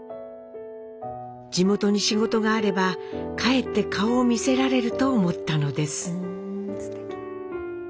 地元に仕事があれば帰って顔を見せられると思ったのです。